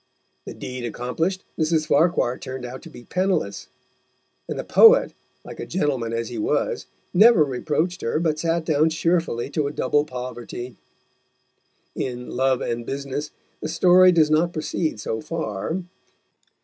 The deed accomplished, Mrs. Farquhar turned out to be penniless; and the poet, like a gentleman as he was, never reproached her, but sat down cheerfully to a double poverty. In Love and Business the story does not proceed so far.